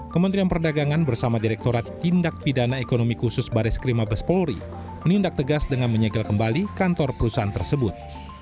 kementerian perdagangan bersama direkturat tindak pidana ekonomi khusus baris krim abes polri menindak tegas dengan menyegel kembali kantor perusahaan tersebut